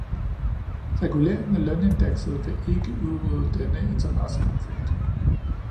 Reguleringen af lønindekset vil ikke udrydde denne interessekonflikt.